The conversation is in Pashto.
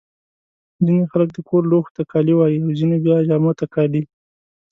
ځيني خلک د کور لوښو ته کالي وايي. او ځيني بیا جامو ته کالي.